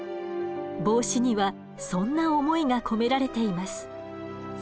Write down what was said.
帽子にはそんな思いが込められています。